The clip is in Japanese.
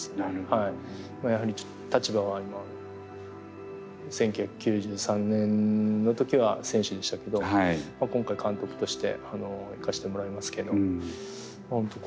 やはり立場は１９９３年の時は選手でしたけど今回監督として行かせてもらいますけど本当